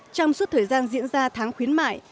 trong suốt thời gian diễn ra tháng khuyến mại